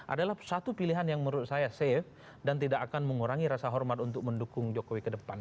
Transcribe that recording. adalah satu pilihan yang menurut saya safe dan tidak akan mengurangi rasa hormat untuk mendukung jokowi ke depan